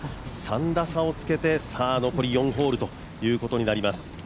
３打差をつけて、残り４ホールということになります。